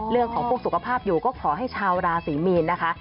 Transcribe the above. เรื่องของพวกสุขภาพอยู่ก็ขอให้ชาวราศรีมีนนะคะ